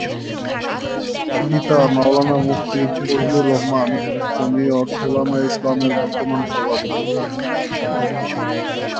তার পিতা মাওলানা মুফতী ফজলুর রহমান জমিয়ত উলামায়ে ইসলামের বর্তমান সভাপতি।